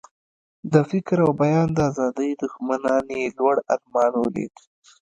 د فکر او بیان د آزادۍ دښمنانو یې لوړ ارمان ولید.